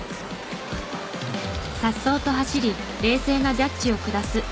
颯爽と走り冷静なジャッジを下す。